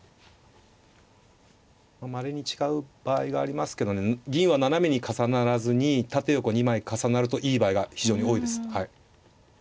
まれに違う場合がありますけどね銀は斜めに重ならずに縦横２枚重なるといい場合が非常に多いです。